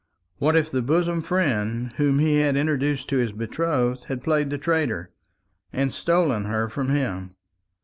What if the bosom friend whom he had introduced to his betrothed had played the traitor, and stolen her from him!